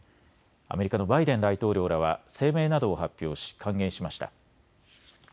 アメリカのバイデン大統領らは声明などを発表し歓迎しました。